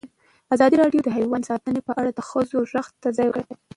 ازادي راډیو د حیوان ساتنه په اړه د ښځو غږ ته ځای ورکړی.